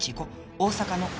大阪の「お」